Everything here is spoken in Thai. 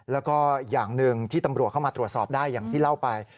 แล้วก็อย่างหนึ่งที่ตำรวจเข้ามาตรวจสอบได้อย่างที่เล่าไป